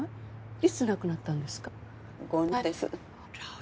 いつ亡くなったんですか？